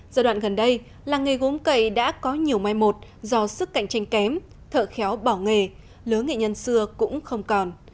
giai đoạn gần đây làng nghề gốm cậy đã có nhiều mai một do sức cạnh tranh kém thợ khéo bỏ nghề lứa nghệ nhân xưa cũng không còn